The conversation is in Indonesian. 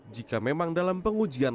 jika memang dalam pengujian